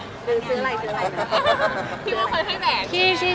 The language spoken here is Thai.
พี่โน้ทเคยให้แบบใช่ไหม